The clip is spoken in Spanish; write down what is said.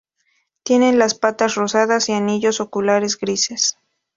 Tienen las patas rosadas y anillos oculares grises.